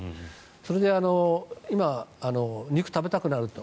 それで今、肉を食べたくなると。